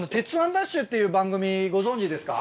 ＤＡＳＨ‼』っていう番組ご存じですか？